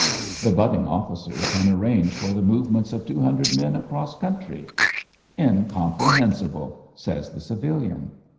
The budding officer can ar range for the movements of two hundred men across country. Incomprehensible! " says the civilian.